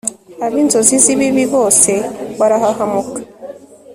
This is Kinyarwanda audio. ab'inkozi z'ibibi bose barahahamuka